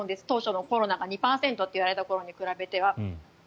当初のコロナが２％といわれた頃に比べては。